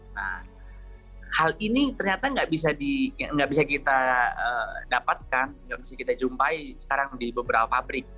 nah hal ini ternyata nggak bisa kita dapatkan nggak bisa kita jumpai sekarang di beberapa pabrik